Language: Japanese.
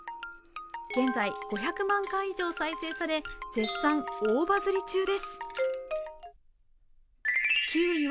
現在５００万回以上再生され、絶賛大バズり中です。